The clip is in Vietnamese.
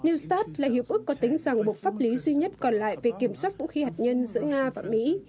new start là hiệp ước có tính giảng buộc pháp lý duy nhất còn lại về kiểm soát vũ khí hạt nhân giữa nga và mỹ